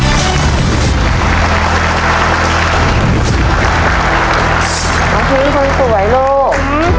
น้องพิ้งคุณสวยลูก